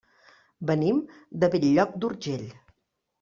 Venim de Bell-lloc d'Urgell.